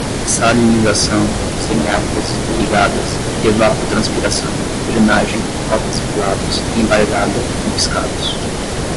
salinização, semi-áridas, irrigadas, evapotranspiração, drenagem, fotoassimilados, embargada, confiscados